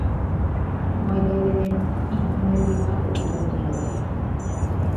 — Мый тый денет икмо нергенак кутырынем ыле.